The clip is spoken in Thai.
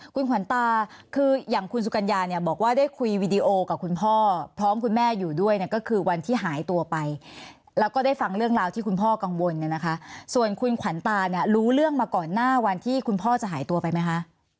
คุณขวัญตาคืออย่างคุณสุกัญญาเนี่ยบอกว่าได้คุยวีดีโอกับคุณพ่อพร้อมคุณแม่อยู่ด้วยเนี่ยก็คือวันที่หายตัวไปแล้วก็ได้ฟังเรื่องราวที่คุณพ่อกังวลเนี่ยนะคะส่วนคุณขวัญตาเนี่ยรู้เรื่องมาก่อนหน้าวันที่คุณพ่อจะหายตัวไปไหมคะ